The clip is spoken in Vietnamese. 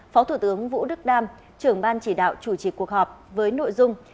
phó thủ tướng vũ đức đam trưởng ban chỉ đạo chủ trì cuộc họp với nội dung